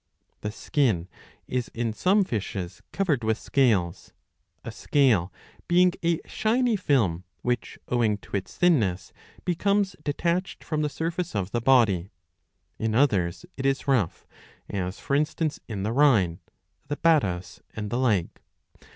The skin is in some fishes covered with scales, a scale being a shiny film which owing to its thinness becomes detached from the surface of the body. In others it is rough, as for instance in the Rhine,^^ the Batos, and the like.